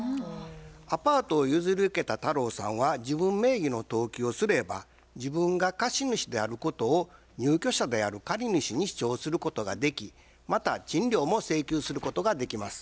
アパートを譲り受けた太郎さんは自分名義の登記をすれば自分が貸主であることを入居者である借主に主張することができまた賃料も請求することができます。